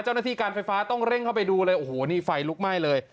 เจ้าหน้าที่การไฟฟ้าต้องเร่งเข้าไปดูเลยโอ้โหนี่ไฟลุกไหม้เลย